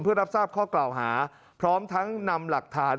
เพื่อรับทราบข้อกล่าวหาพร้อมทั้งนำหลักฐาน